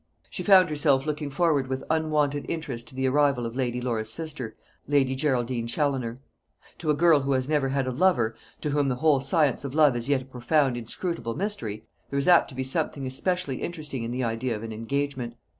She found herself looking forward with unwonted interest to the arrival of Lady Laura's sister, Lady Geraldine Challoner. To a girl who has never had a lover to whom the whole science of love is yet a profound inscrutable mystery there is apt to be something especially interesting in the idea of an engagement.